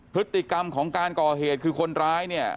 พฤติกรรมของการก่อเหตุคือคนร้ายเนี่ย